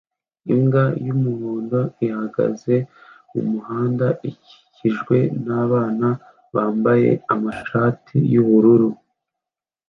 Imbwa y'umuhondo ihagaze mumuhanda ukikijwe nabana bambaye amashati yubururu